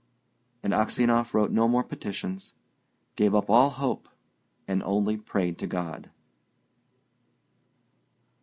And Aksionov wrote no more petitions; gave up all hope, and only prayed to God.